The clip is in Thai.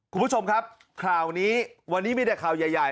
คุณผู้ชมครับข่าวนี้วันนี้มีแต่ข่าวใหญ่